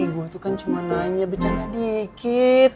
gue tuh kan cuma nanya bercanda dikit